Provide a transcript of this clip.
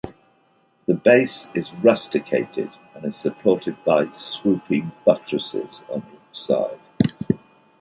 The base is rusticated and is supported by "swooping buttresses" on each side.